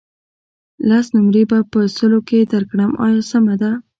لس نمرې به په سلو کې درکړم آیا سمه ده.